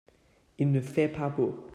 Il ne fait pas beau.